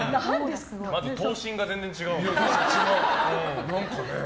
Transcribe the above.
まず等身が全然違うもん。